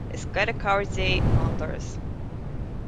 Is gaire cabhair Dé ná an doras.